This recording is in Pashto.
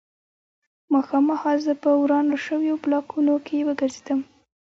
ماښام مهال زه په ورانو شویو بلاکونو کې وګرځېدم